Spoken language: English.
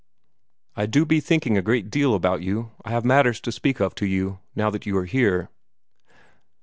"I do be thinking a great deal about you. I have matters to speak of to you, now that you are here."